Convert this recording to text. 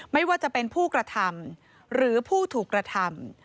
ไม่ว่าจะเป็นผู้กระทำหรือผู้ถูกกระทำ